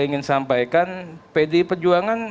ingin sampaikan pdp perjuangan